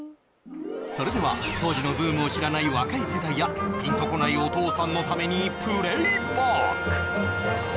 それでは当時のブームを知らない若い世代やピンとこないお父さんのためにプレイバック！